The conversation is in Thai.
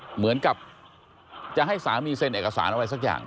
เหมือนกับจะให้สามีเซ็นเอกสารอะไรสักอย่าง